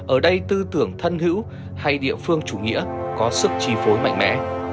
ở đây tư tưởng thân hữu hay địa phương chủ nghĩa có sức trì phối mạnh mẽ